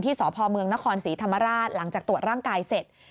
สพเมืองนครศรีธรรมราชหลังจากตรวจร่างกายเสร็จ